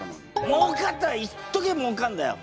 もうかってはいっときはもうかんだよ。